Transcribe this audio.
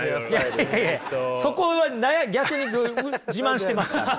いやいやそこは逆に自慢してますから。